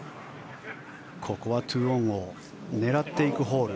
ここは２オンを狙っていくホール。